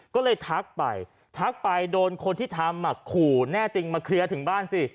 ก็เลยทักไปทักไปโดนคนที่ทำขู่แน่จริงมาเคลียร์ถึงบ้านสิ